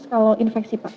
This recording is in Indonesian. kalau infeksi pak